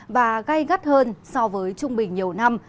và gai gắt hơn so với trung bình nhiều năm